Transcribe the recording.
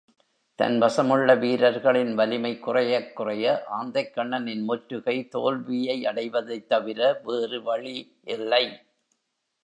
தன்வசமுள்ள வீரர்களின் வலிமை குறையக் குறைய ஆந்தைக்கண்ணனின் முற்றுகை தோல்வியை அடைவதைத் தவிர வேறு வழி இல்லை.